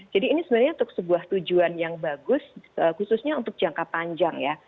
jadi ini sebenarnya untuk sebuah tujuan yang bagus khususnya untuk jangka panjang ya